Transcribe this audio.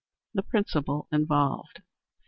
The Principle Involved.